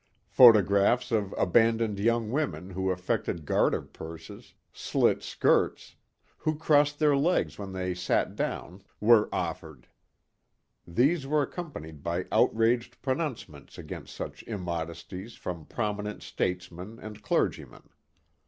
Photographs of abandoned young women who effected garter purses, slit skirts; who crossed their legs when they sat down were offered. These were accompanied by outraged pronouncements against such immodesties from prominent statesmen and clergymen.